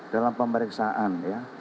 dalam pemeriksaan ya